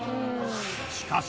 しかし